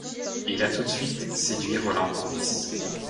Il a tout de suite séduit Rolland Courbis.